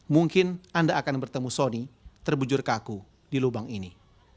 mungkin anda akan bertemu sony terbujur kaku di lubang ini